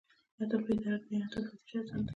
اتم په اداره کې د انعطاف پذیری اصل دی.